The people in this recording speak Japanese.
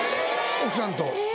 奥さんと。